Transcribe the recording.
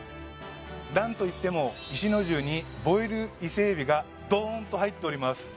何といっても壱之重にボイルイセエビがドーンと入っております